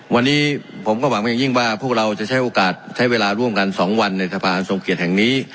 วันนี้ผมก็หวังอย่างยิ่งว่าพวกเราจะใช้โอกาสใช้เวลาร่วมกัน๒วันในสภาทรงเกียจแห่งนี้